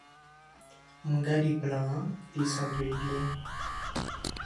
mgade plan an, li sanble byen